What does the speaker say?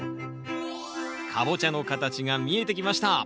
カボチャの形が見えてきました